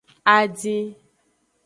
Adin.